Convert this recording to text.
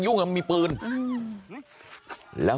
บอกแล้วบอกแล้วบอกแล้ว